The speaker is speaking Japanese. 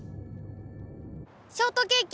ショートケーキ！